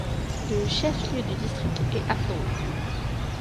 Le chef-lieu du district est Haflong.